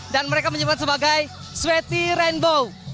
dan mereka menyebut sebagai sweaty rainbow